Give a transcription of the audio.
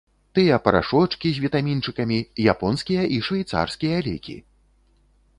Тыя парашочкі з вітамінчыкамі, японскія і швейцарскія лекі!